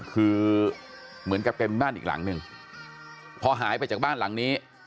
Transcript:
คือเหมือนกับเป็นบ้านอีกหลังหนึ่งพอหายไปจากบ้านหลังนี้